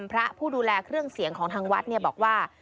พระผู้ดูแลเครื่องเสียงของทางวัดบอกว่า